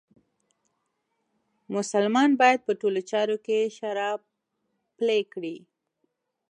مسلمان باید په ټولو چارو کې شرعه پلې کړي.